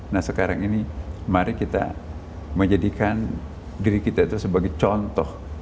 nah sekarang ini mari kita menjadikan diri kita itu sebagai contoh